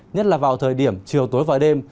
nhất là vào thời điểm chiều tối và đêm